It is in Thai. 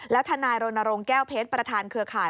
แล้วท่านายโรนโรงแก้วเพชรประธานเครือข่าย